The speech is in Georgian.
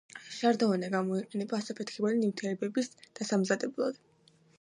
შარდოვანა გამოიყენება ასაფეთქებელი ნივთიერებების დასამზადებლად.